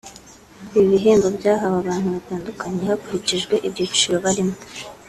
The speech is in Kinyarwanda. Ibi bihembo byahawe abantu batandukanye hakurikijwe ibyiciro barimo